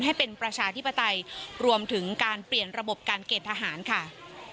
ให้เป็นประชาธิปไตยรวมถึงการเปลี่ยนระบบการเกณฑ์ทหารค่ะ